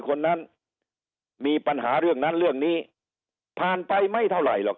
คนนั้นมีปัญหาเรื่องนั้นเรื่องนี้ผ่านไปไม่เท่าไหร่หรอก